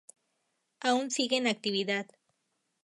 Aún sigue en actividad.